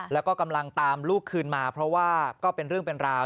แล้วก็กำลังตามลูกคืนมาเพราะว่าก็เป็นเรื่องเป็นราว